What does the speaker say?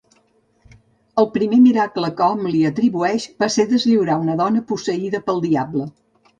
El primer miracle que hom li atribueix va ser deslliurar una dona posseïda pel diable.